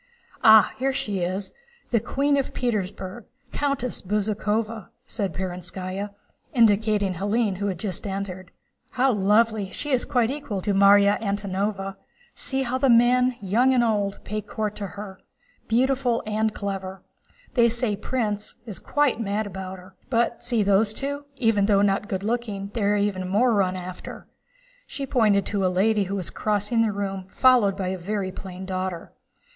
"Ah, here she is, the Queen of Petersburg, Countess Bezúkhova," said Perónskaya, indicating Hélène who had just entered. "How lovely! She is quite equal to Márya Antónovna. See how the men, young and old, pay court to her. Beautiful and clever... they say Prince —— is quite mad about her. But see, those two, though not good looking, are even more run after." She pointed to a lady who was crossing the room followed by a very plain daughter.